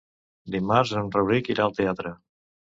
Dimarts en Rauric irà al teatre.